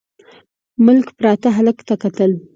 ملک پراته هلک ته کتل….